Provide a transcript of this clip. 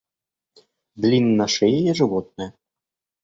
Длинношеее животное